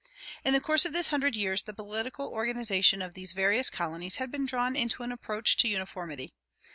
In the course of this hundred years the political organization of these various colonies had been drawn into an approach to uniformity.